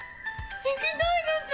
行きたいです！